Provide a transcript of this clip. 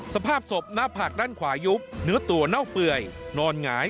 สภาพศพหน้าผากด้านขวายุบเนื้อตัวเน่าเปื่อยนอนหงาย